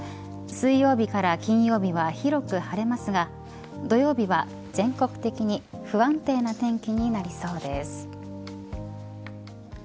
水曜日から金曜日は広く晴れますが土曜日は全国的に不安定な天気になりそうです。